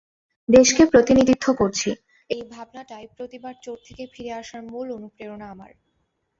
দেশকে প্রতিনিধিত্ব করছি—এই ভাবনাটাই প্রতিবার চোট থেকে ফিরে আসার মূল অনুপ্রেরণা আমার।